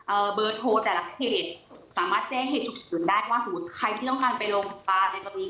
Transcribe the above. เบอร์โทรแต่ละเขตสามารถแจ้งเหตุฉุกเฉินได้ว่าสมมุติใครที่ต้องการไปโรงพยาบาลในกรณี